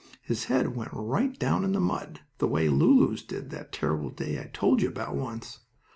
His head went right down in the mud, the way Lulu's did that terrible day I told you about once.